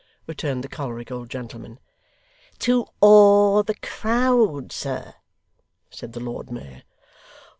returned the choleric old gentleman. ' To awe the crowd, sir,' said the Lord Mayor.